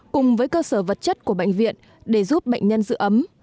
cùng với cơ sở vật chất của bệnh viện để giúp bệnh nhân giữ ấm